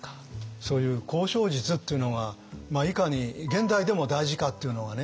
そういう交渉術っていうのがいかに現代でも大事かっていうのがね